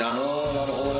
なるほどね！